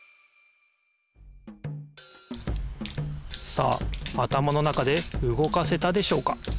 さああたまの中でうごかせたでしょうか？